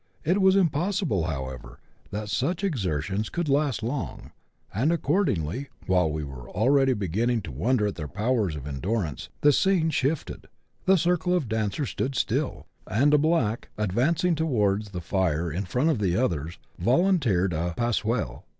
It was impossible, however, that such exertions could last long ; and accordingly, while we were already beginning to wonder at their powers of endurance, the scene shifted, the circle of dancers stood still, and a black, advancing towards the fire in front of the others, volunteered a " pas seul."